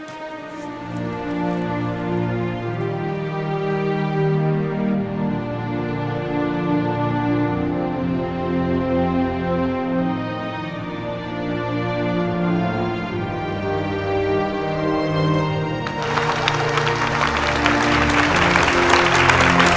ไททีที่มีเยี่ยม